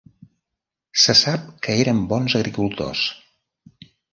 Se sap que eren bons agricultors.